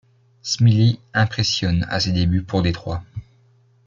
Smyly impressionne à ses débuts pour Detroit.